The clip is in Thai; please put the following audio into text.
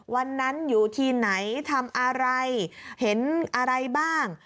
วันนั้นอยู่ที่ไหนทำอะไรเห็นอะไรบ้าง